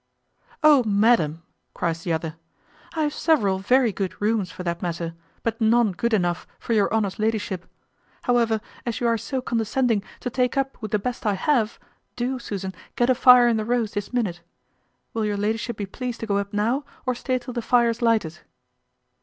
"O, madam!" cries the other, "I have several very good rooms for that matter, but none good enough for your honour's ladyship. However, as you are so condescending to take up with the best I have, do, Susan, get a fire in the Rose this minute. Will your ladyship be pleased to go up now, or stay till the fire is lighted?"